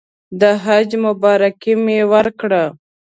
د حج مبارکي مې ورکړه.